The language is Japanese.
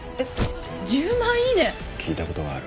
聞いたことがある。